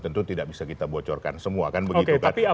tentu tidak bisa kita bocorkan semua kan begitu kan